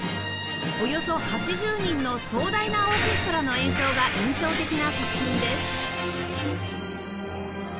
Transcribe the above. およそ８０人の壮大なオーケストラの演奏が印象的な作品です